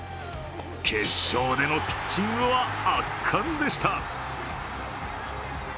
決勝でのピッチングは圧巻でした。